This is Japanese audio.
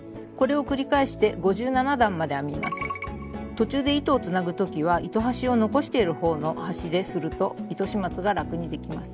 途中で糸をつなぐ時は糸端を残してるほうの端ですると糸始末が楽にできます。